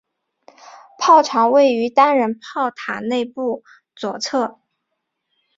炮长位于单人炮塔内部左侧。